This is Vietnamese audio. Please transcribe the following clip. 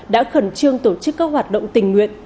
đã khẩn trương tổ chức các hoạt động tình nguyện